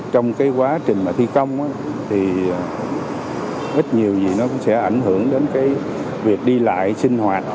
trong cái quá trình mà thi công thì ít nhiều gì nó cũng sẽ ảnh hưởng đến cái việc đi lại sinh hoạt